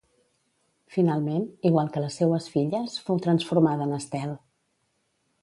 Finalment, igual que les seues filles, fou transformada en estel.